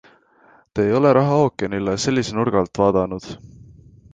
Te ei ole rahaookeanile sellise nurga alt vaadanud?